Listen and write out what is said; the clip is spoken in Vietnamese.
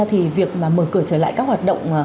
thì việc mở cửa trở lại các hoạt động